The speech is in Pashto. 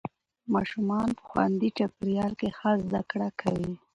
ماشومان په خوندي چاپېریال کې ښه زده کړه کوي